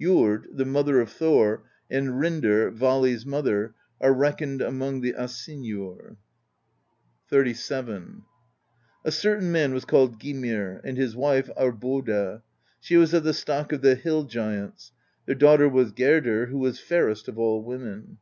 Jord, the mother of Thor, and Rindr, Vali's mother, are reckoned among the Asynjur. XXXVII. "A certain man was called Gymir, and his wife Aurboda: she was of the stock of the Hill Giants; their daughter was Gerdr, who was fairest of all women.